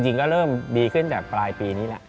จริงก็เริ่มดีขึ้นจากปลายปีนี้ละ